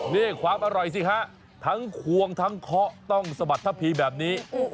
นี่ความอร่อยสิฮะทั้งควงทั้งเคาะต้องสะบัดทะพีแบบนี้